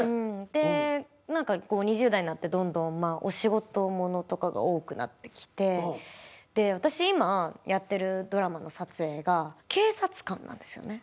で２０代になってどんどんお仕事ものとかが多くなってきて私今やってるドラマの撮影が警察官なんですよね。